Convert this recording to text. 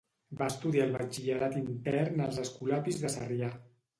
Va estudiar el batxillerat intern als escolapis de Sarrià.